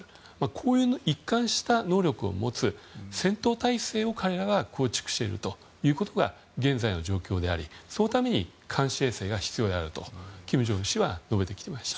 こういう一貫した能力を持つ戦闘態勢を彼らは構築しているということが現在の状況でありそのために監視衛星が必要であると金正恩氏は述べてきていました。